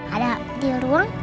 ada di ruang